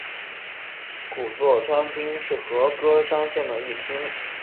古座川町是和歌山县的一町。